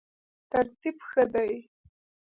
ترتیب ښه دی.